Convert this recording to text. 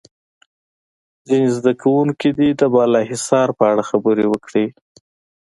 ځینې زده کوونکي دې د بالا حصار په اړه خبرې وکړي.